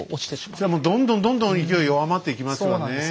それはもうどんどんどんどん勢い弱まっていきますわねえ。